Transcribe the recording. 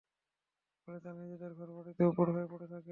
ফলে তারা নিজেদের ঘর-বাড়িতে উপুড় হয়ে পড়ে থাকে।